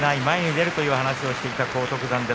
前へ出るという話をしていた荒篤山。